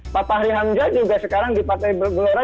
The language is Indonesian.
pak fahri hamzah juga sekarang di partai bergelora